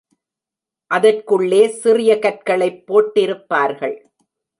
அதற் குள்ளே சிறிய கற்களைப் போட்டிருப்பார்கள்.